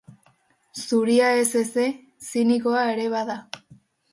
Zuria ez eze, zinikoa ere bada.